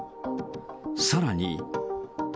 さらに。